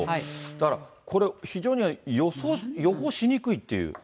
だからこれ、非常に予報しにくいという。